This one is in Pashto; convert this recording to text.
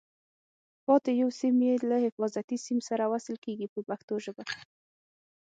پاتې یو سیم یې له حفاظتي سیم سره وصل کېږي په پښتو ژبه.